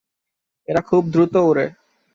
এরা খুব দ্রুত ওড়ে।